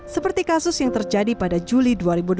seperti kasus yang terjadi pada juli dua ribu enam belas